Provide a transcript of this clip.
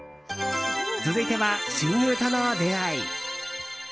続いては親友との出会い。